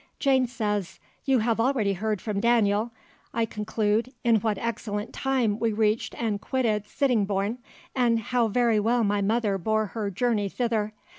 Jane says, "You have already heard from Daniel, I conclude, in what excellent time we reached and quitted Sittingbourne and how very well my mother bore her journey thither....